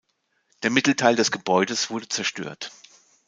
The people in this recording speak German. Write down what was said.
Der Mittelteil des Gebäudes wurde zerstört.